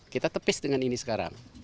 kita tepis dengan ini sekarang